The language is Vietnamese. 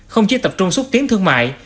không chỉ tập trung xuất tiến thương mại